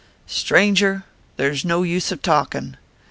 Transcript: " Strannger, there s no use of talkin